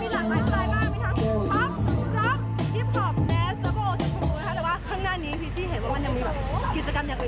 แต่ว่าข้างหน้านี้พิชชี่เห็นว่ามันยังมีแบบกิจกรรมอย่างอื่น